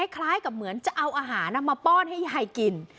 คล้ายกับเหมือนจะเอาอาหารมาป้อนให้ยายกิน